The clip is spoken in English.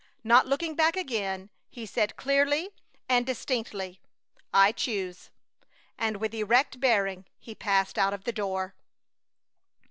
Not looking back again, he said, clearly and distinctly: "I choose!" And with erect bearing he passed out of the door.